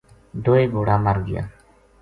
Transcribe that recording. دوئے گھوڑا مر گیا